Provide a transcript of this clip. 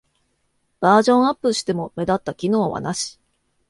バージョンアップしても目立った機能はなし